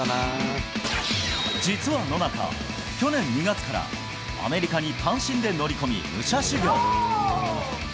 実は野中、去年２月からアメリカに単身で乗り込み、武者修行。